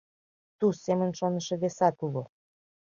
— Туз семын шонышо весат уло?